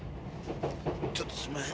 ちょっとすんまへん。